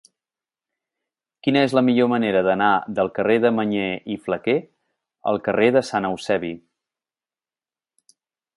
Quina és la millor manera d'anar del carrer de Mañé i Flaquer al carrer de Sant Eusebi?